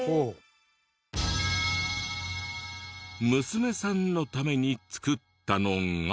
娘さんのために作ったのが。